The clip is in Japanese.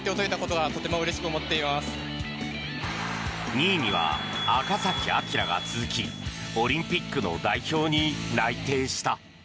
２位には赤崎暁が続きオリンピックの代表に内定した。